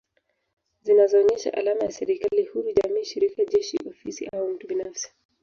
Zinazoonyesha alama ya serikali huru jamii shirika jeshi ofisi au mtu binafsi